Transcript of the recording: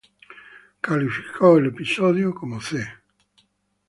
Calificó el episodio como "C".